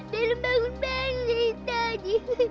belum bangun bangun dari tadi